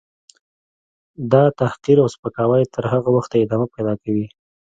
. دا تحقیر او سپکاوی تر هغه وخته ادامه پیدا کوي.